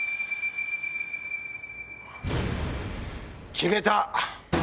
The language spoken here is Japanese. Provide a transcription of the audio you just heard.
決めた！